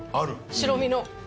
白身の。